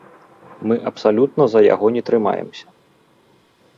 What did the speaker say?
Мы абсалютна за яго не трымаемся.